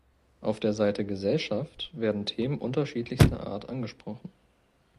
Auf der Seite "Gesellschaft" werden Themen unterschiedlichster Art angesprochen.